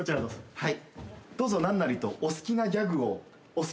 はい。